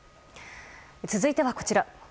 続いてはこちら。